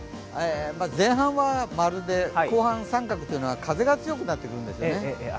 前半は○で、後半△というのは風が強くなってくるんですよね。